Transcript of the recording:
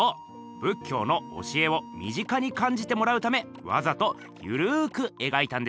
仏教の教えを身近に感じてもらうためわざとゆるくえがいたんでしょうね。